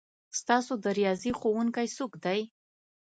ستاسو د ریاضي ښؤونکی څوک دی؟